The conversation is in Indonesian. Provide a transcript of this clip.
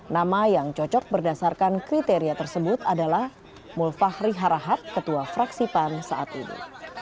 nama yang cocok berdasarkan kriteria tersebut adalah mulfahri harahat ketua fraksi pan saat ini